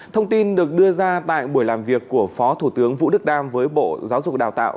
thông tin được đưa ra tại buổi làm việc của phó thủ tướng vũ đức đam với bộ giáo dục đào tạo